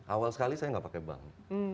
awal sekali saya nggak pakai bank